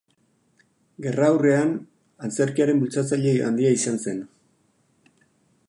Gerra aurrean, antzerkiaren bultzatzaile handia izan zen.